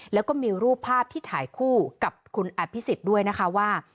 แล้วก็มีรูปภาพที่ถ่ายคู่กับคุณอภิษฎด้วยนะคะว่า